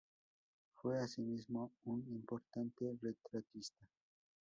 Fue asimismo un importante retratista.